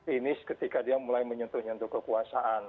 ini ketika dia mulai menyentuh nyentuh kekuasaan